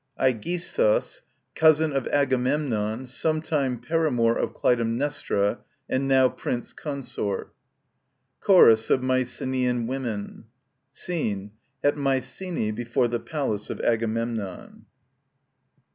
AREGISTHUS, cousin of Agamemnon, sometime paramour of Clytemnestra and now prince consort Cuorus or MyceneaAn WoMEN., Scene: At Mycenae before the Palace of Agamemnon.